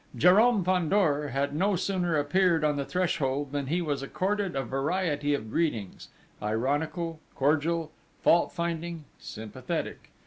Jérôme Fandor had no sooner appeared on the threshold than he was accorded a variety of greetings ironical, cordial, fault finding, sympathetic.